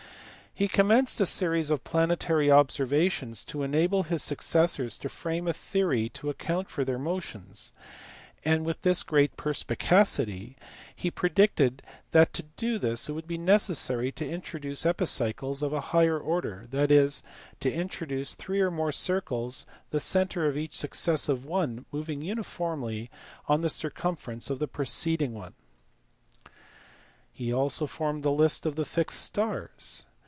He commenced a series of planetary observations to enable his successors to frame a theory to account for their motions ; and with great perspicacity he predicted that to do this it would be necessary to introduce epicycles of a higher order, that is, to introduce three or more circles the centre of each successive one moving uniformly on the circumference of the preceding one. He also formed a list of the fixed stars.